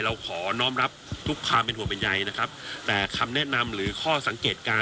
ขอน้องรับทุกความเป็นห่วงเป็นใยนะครับแต่คำแนะนำหรือข้อสังเกตการณ